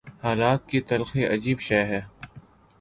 حالات کی تلخی عجیب شے ہے۔